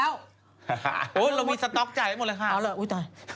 เอาละอุ๊ยตาย